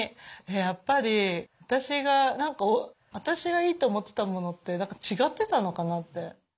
やっぱり私がいいと思ってたものって違ってたのかなって。